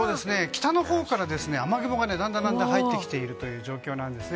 北のほうから雨雲がだんだんと入ってきている状況です。